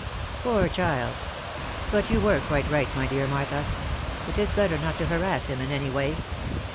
" Poor child ! But you were quite right, my dear Martha. It is better not to harass him in any way.